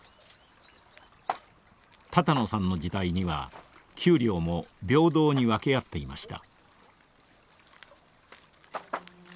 多々納さんの時代には給料も平等に分け合っていました。